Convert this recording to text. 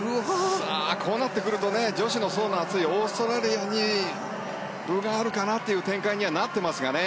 こうなってくると女子の層が厚いオーストラリアに分があるかなという展開になっていますかね。